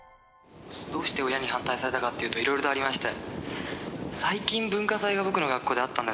「どうして親に反対されたかというといろいろとありまして」